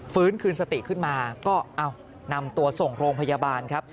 ฟื้นคืนสติขึ้นมาก็นำตัวส่งโรงพยาบาลครับ